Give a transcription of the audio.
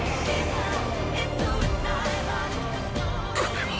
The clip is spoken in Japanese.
これは！！